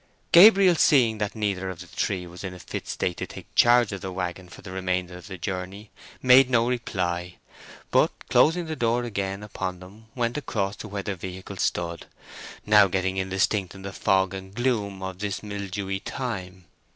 Gabriel, seeing that neither of the three was in a fit state to take charge of the waggon for the remainder of the journey, made no reply, but, closing the door again upon them, went across to where the vehicle stood, now getting indistinct in the fog and gloom of this mildewy time.